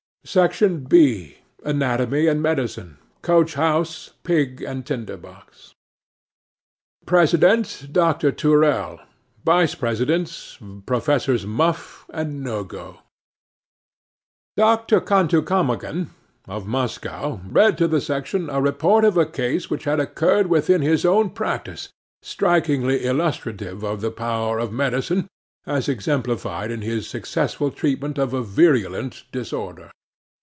'SECTION B.—ANATOMY AND MEDICINE. COACH HOUSE, PIG AND TINDER BOX. President—Dr. Toorell. Vice Presidents—Professors Muff and Nogo. 'DR. KUTANKUMAGEN (of Moscow) read to the section a report of a case which had occurred within his own practice, strikingly illustrative of the power of medicine, as exemplified in his successful treatment of a virulent disorder.